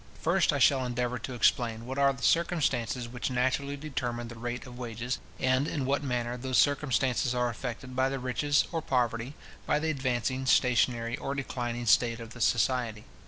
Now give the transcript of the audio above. First, I shall endeavour to explain what are the circumstances which naturally determine the rate of wages, and in what manner those circumstances are affected by the riches or poverty, by the advancing, stationary, or declining state of the society.